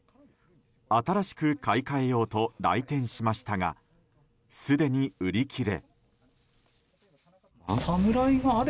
新しく買い替えようと来店しましたがすでに売り切れ。